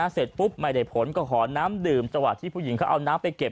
เสร็จปุ๊บไม่ได้ผลก็ขอน้ำดื่มจังหวะที่ผู้หญิงเขาเอาน้ำไปเก็บ